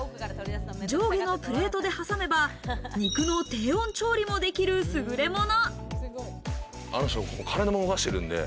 上下のプレートで挟めば、肉の低温調理もできるすぐれもの。